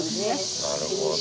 なるほど。